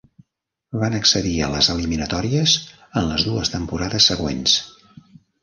Van accedir a les eliminatòries en les dues temporades següents.